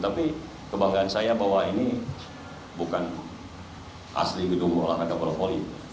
tapi kebanggaan saya bahwa ini bukan asli gedung olahraga bola volley